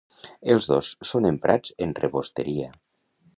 Els dos són emprats en rebosteria.